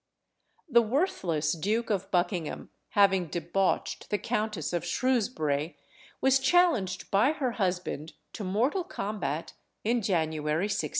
The worthless Duke of Buckingham, having debauched the Countess of Shrewsbury, was challenged by her husband to mortal combat in January 1668.